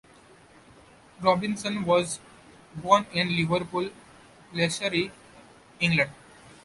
Robinson was born in Liverpool, Lancashire, England.